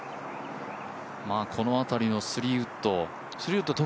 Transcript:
この辺りのスリーウッド。